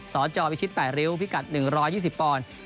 สจวิชิต๘ริ้วพิกัด๑๒๐ปอนด์